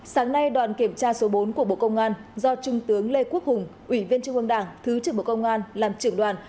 sáng nay đoàn kiểm tra số bốn của bộ công an do trung tướng lê quốc hùng ủy viên trung ương đảng thứ trưởng bộ công an làm trưởng đoàn